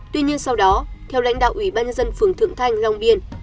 tuy nhiên sau đó theo lãnh đạo ủy ban nhân dân phường thượng thanh long biên